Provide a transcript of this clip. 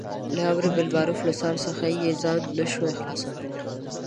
له امر بالمعروف له څار څخه یې ځان نه شوای خلاصولای.